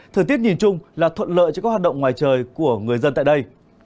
thời tiết nhìn chung là thuận lợi cho các hoạt động ngoài trời của người dân tại đây